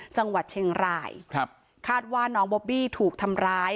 จังหวัดเชียงรายครับคาดว่าน้องบอบบี้ถูกทำร้าย